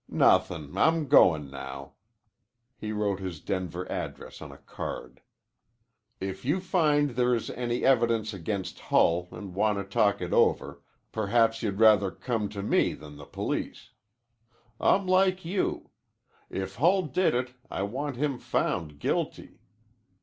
"Nothin'. I'm goin' now." He wrote his Denver address on a card. "If you find there is any evidence against Hull an' want to talk it over, perhaps you'd rather come to me than the police. I'm like you. If Hull did it I want him found guilty.